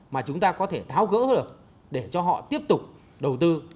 mà chúng ta có thể tháo gỡ được để cho họ tiếp tục đầu tư